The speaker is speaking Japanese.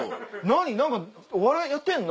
何かお笑いやってんの？」